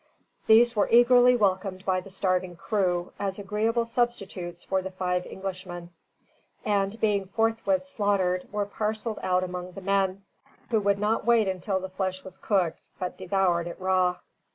These were eagerly welcomed by the starving crew as agreeable substitutes for the five Englishmen; and being forthwith slaughtered, were parcelled out among the men, who would not wait till the flesh was cooked, but devoured it raw.